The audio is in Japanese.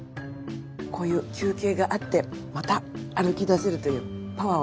こういう休憩があってまた歩きだせるというパワーを頂きます。